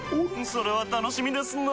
それは楽しみですなぁ。